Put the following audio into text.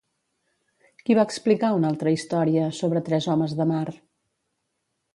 Qui va explicar una altra història, sobre tres homes de mar?